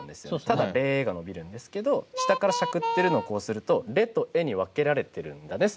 ただ「れ」が伸びるんですけど下からしゃくってるのをこうすると「れ」と「え」に分けられてるんだね